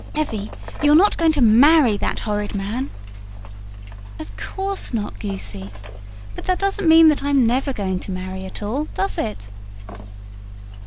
"Evvy, you're not going to MARRY that horrid man?" "Of course not, goosey. But that doesn't mean that I'm never going to marry at all, does it?"